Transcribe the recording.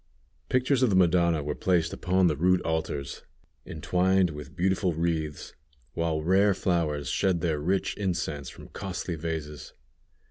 Pictures of the Madonna were placed upon the rude altars, entwined with beautiful wreaths, while rare flowers shed their rich incense from costly vases.